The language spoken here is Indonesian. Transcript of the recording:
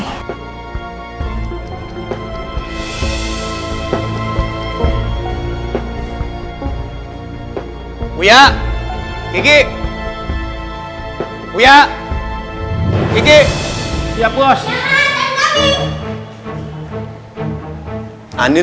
saya mau ku evaluasi